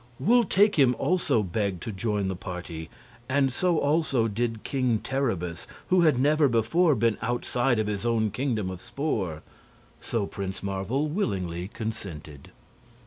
Wul Takim also begged to join the party, and so also did King Terribus, who had never before been outside of his own Kingdom of Spor; so Prince Marvel willingly consented.